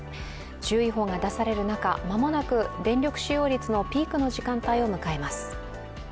注意報が出される中、間もなく電力使用率のピークの時間帯を迎えます。